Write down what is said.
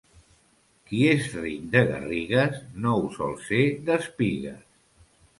Qui és ric de garrigues, no ho sol ser d'espigues.